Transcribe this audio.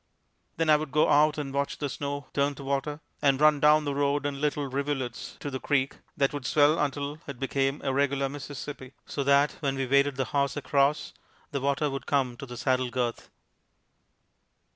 Then I would go out and watch the snow turn to water, and run down the road in little rivulets to the creek, that would swell until it became a regular Mississippi, so that when we waded the horse across, the water would come to the saddlegirth.